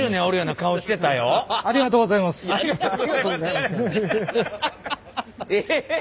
ありがとうございます！